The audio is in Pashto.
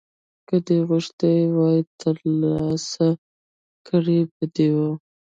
که دې غوښتي وای ترلاسه کړي به دې وو.